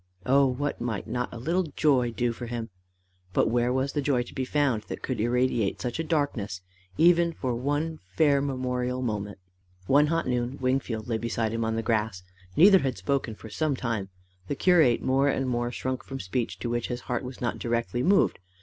Oh what might not a little joy do for him! But where was the joy to be found that could irradiate such a darkness even for one fair memorial moment? One hot noon Wingfold lay beside him on the grass. Neither had spoken for some time: the curate more and more shrunk from speech to which his heart was not directly moved.